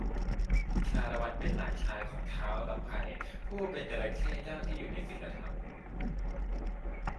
ชาละวันเป็นหลานชายของ ท้าวรำไพ ผู้เป็นจระเข้เจ้าที่อยู่ในศีลธรรม